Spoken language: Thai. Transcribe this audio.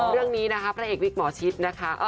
เรื่องนี้นะคะพระเอกวิกหมอชิดนะคะ